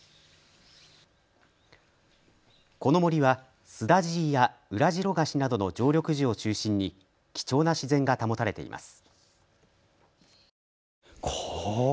この森はスダジイやウラジロガシなどの常緑樹を中心に貴重な自然が保たれています。